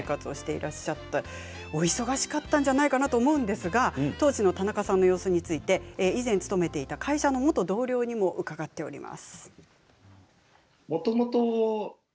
お忙しかったんじゃないかなと思うんですが、当時の田中さんの様子について以前勤めていた会社の元同僚にも伺っています。